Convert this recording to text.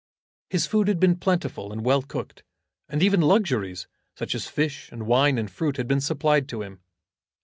His food had been plentiful and well cooked, and even luxuries, such as fish and wine and fruit, had been supplied to him.